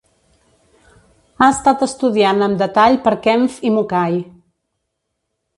Ha estat estudiat amb detall per Kempf i Mukai.